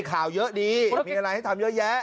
ข่าวเยอะดีมีอะไรให้ทำเยอะแยะ